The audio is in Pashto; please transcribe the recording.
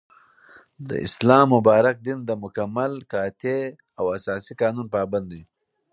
داسلام مبارك دين دمكمل ، قاطع او اساسي قانون پابند دى